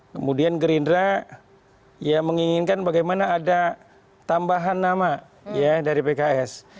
kemudian gerindra ya menginginkan bagaimana ada tambahan nama ya dari pks